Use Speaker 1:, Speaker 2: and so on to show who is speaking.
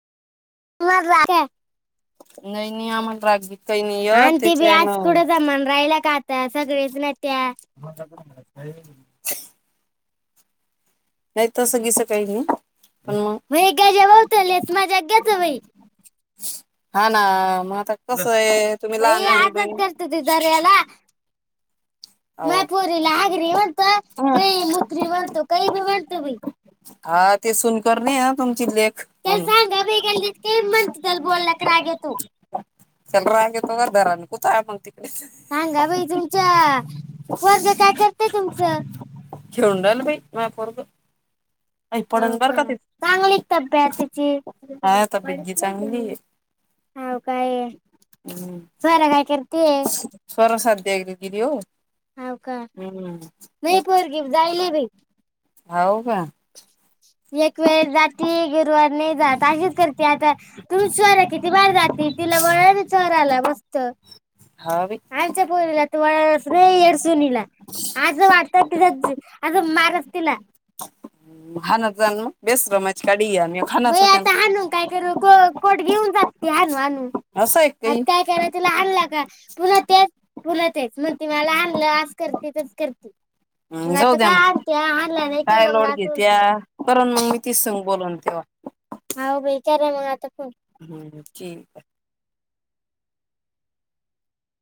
Speaker 1: म [unintelligible] आण ते बी आज कुडं जमाना राहिला का आता? सगळेच नाही त्या.
Speaker 2: काय म्हणती? नाही तसं गीस काय नाही. पण म एखादे माणसाले [unintelligible] तूम्ही हा ना मग आता कस ए? तुम्ही ल्हान ल्हाण बहीण
Speaker 1: माह्या पोरीला [unintelligible] म्हणतो, काही [unintelligible] म्हणतो काय बी म्हणतो बाई तेला सांगा बाई, गल्लीत काय म्हणत त्या बोलला राग येतो.
Speaker 2: तेला राग येतो बर का [unintelligible] म्हण तिकडे. भिवून राहिलं बाई माज पोरग नाही पडन बर का तिथंन [unintelligible] तब्येत चांगली ए
Speaker 1: हाव काय?
Speaker 2: स्वरा साद द्यायली की काय ओ? हम्म हाव का?
Speaker 1: [inaudible] एक वेळ जाती, गुरुवार नाही जात अशीच करती, आता तुमची स्वरा किती भारी जाती? तिला वळनच स्वराला मस्त
Speaker 2: हा बाई. आस वाटत तीला अस मारू तिला खानाचा बेसर माज काढ खाना काय झा काय तुला आलंरततला ् जाऊ दे काय लोडी त्या कारण मग मी तच सग बोोलन तेव्हा हम्